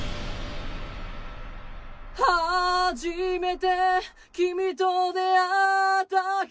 初めて君と出会った日